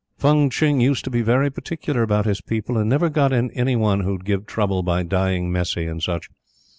Fung Tching used to be very particular about his people, and never got in any one who'd give trouble by dying messy and such.